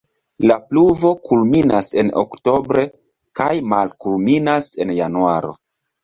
La pluvo kulminas en oktobre kaj malkulminas en januaro.